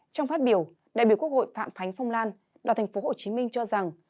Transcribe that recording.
trong phát biểu đại biểu quốc hội phạm khánh phong lan đoàn thành phố hồ chí minh cho rằng